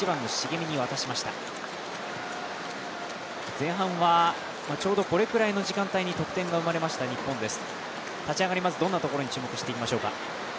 前半はちょうどこれくらいの時間帯に得点が生まれました日本です。